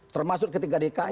termasuk ketiga dki